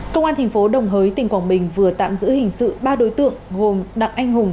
công an thành phố đồng hới tỉnh quảng bình vừa tạm giữ hình sự ba đối tượng gồm đặng anh hùng